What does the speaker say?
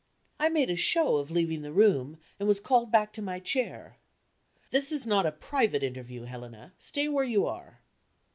I made a show of leaving the room, and was called back to my chair. "This is not a private interview, Helena; stay where you are."